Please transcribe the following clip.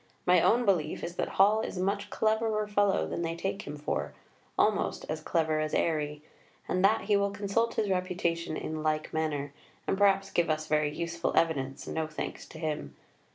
My own belief is that Hall is a much cleverer fellow than they take him for, almost as clever as Airey, and that he will consult his reputation in like manner, and perhaps give us very useful evidence, no thanks to him....